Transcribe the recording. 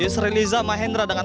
yusri liza mahendra dengan